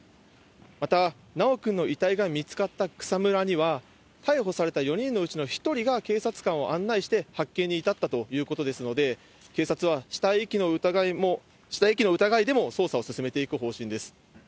また、修くんの遺体が見つかった草むらには、逮捕された４人のうちの１人が警察官を案内して発見に至ったということですので、警察は死体遺棄の疑いでも捜査を進めていく方針です。